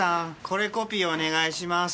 これコピーお願いします。